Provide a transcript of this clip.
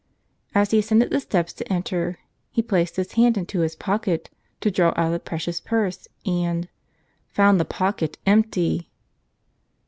As he ascended the steps to enter, he placed his hand into his pocket to draw out the precious purse and — found the pocket empty!